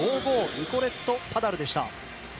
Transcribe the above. ニコレット・パダルでした。